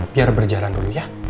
biar berjalan dulu ya